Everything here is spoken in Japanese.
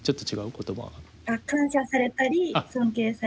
言葉。感謝されたり尊敬されたり。